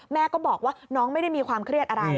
แม่ก็บอกว่าน้องไม่ได้มีความเครียดอะไร